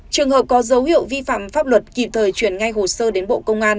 trường hợp có dấu hiệu vi phạm pháp luật kịp thời chuyển ngay hồ sơ đến bộ công an